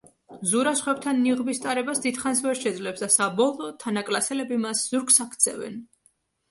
ზურა სხვებთან ნიღბის ტარებას დიდხანს ვერ შეძლებს და საბოლოოდ, თანაკლასელები მას ზურგს აქცევენ.